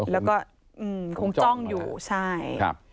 แล้วก็คงจ้องอยู่ใช่